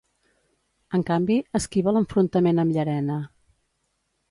En canvi, esquiva l'enfrontament amb Llarena.